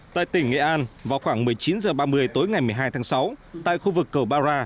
tại tỉnh nghệ an vào khoảng một mươi chín h ba mươi tối ngày một mươi hai tháng sáu tại khu vực cầu bara